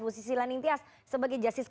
bu susi laningtias sebagai justice